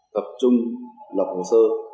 tập trung lọc hồ sơ